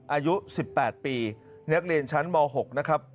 อายุ๑๘ปีนักเรียนชั้นม๖นะครับ